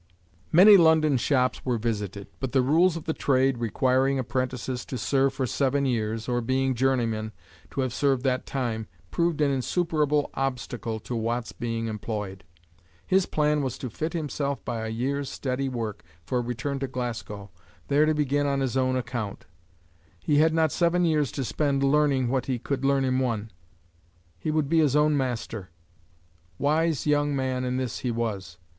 Many London shops were visited, but the rules of the trade, requiring apprentices to serve for seven years, or, being journeymen, to have served that time, proved an insuperable obstacle to Watt's being employed. His plan was to fit himself by a year's steady work for return to Glasgow, there to begin on his own account. He had not seven years to spend learning what he could learn in one. He would be his own master. Wise young man in this he was.